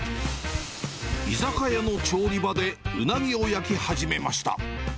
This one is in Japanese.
居酒屋の調理場でうなぎを焼き始めました。